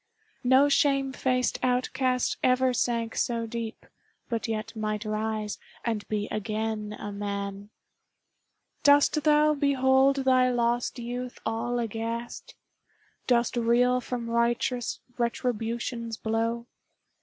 No shame faced outcast ever sank so deep, But yet might rise and be again a man ! Dost thou behold thy lost youth all aghast? Dost reel from righteous Retribution's blow?